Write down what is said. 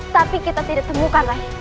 tapi kita tidak temukan